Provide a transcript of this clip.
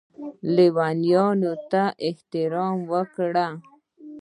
لویانو ته احترام وکړئ